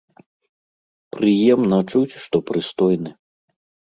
Прыемна чуць, што прыстойны.